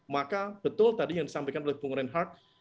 maka betul tadi yang disampaikan oleh bung reinhardt